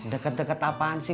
deket deket apaan sih